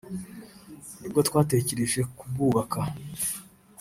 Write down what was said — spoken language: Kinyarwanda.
nibwo twatekereje kubwubaka